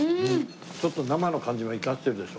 ちょっと生の感じも生かしてるでしょ？